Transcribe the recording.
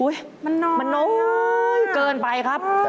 มันน้อยมันน้อยเกินไปครับ